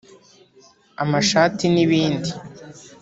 amashati nibindi